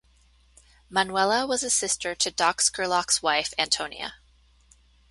Manuela was a sister to Doc Scurlock's wife, Antonia.